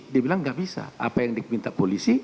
dia bilang nggak bisa apa yang diminta polisi